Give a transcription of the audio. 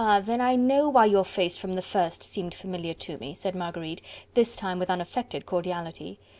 then I know why your face from the first seemed familiar to me," said Marguerite, this time with unaffected cordiality.